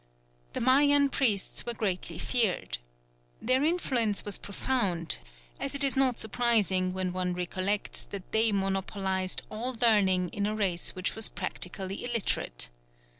The Mayan priests were greatly feared. Their influence was profound, as is not surprising when one recollects that they monopolised all learning in a race which was practically illiterate.